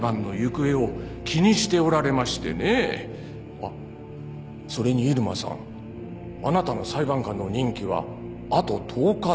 あっそれに入間さんあなたの裁判官の任期はあと１０日だ。